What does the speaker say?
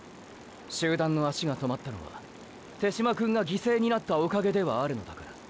集団の足が止まったのは手嶋くんが犠牲になったおかげではあるのだから。